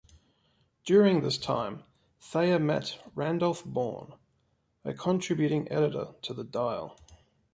During this time, Thayer met Randolph Bourne, a contributing editor to The Dial.